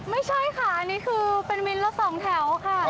ไม่ใช่ค่ะนี่คือเป็นมิลละสองแถวค่ะ